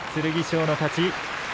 剣翔の勝ち。